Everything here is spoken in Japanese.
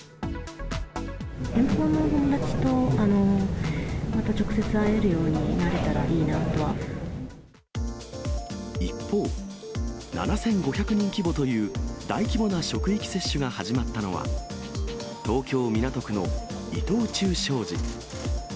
遠方の友達とまた直接会える一方、７５００人規模という大規模な職域接種が始まったのは、東京・港区の伊藤忠商事。